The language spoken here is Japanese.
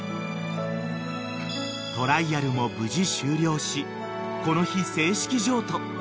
［トライアルも無事終了しこの日正式譲渡］